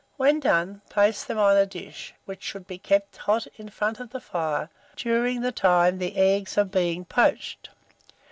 When done, place them on a dish, which should be kept hot in front of the fire during the time the eggs are being poached.